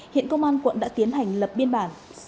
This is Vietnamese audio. hiện công an quận đã tiến hành lập biên bản